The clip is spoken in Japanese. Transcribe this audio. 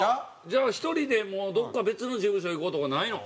じゃあ１人でもうどこか別の事務所行こうとかないの？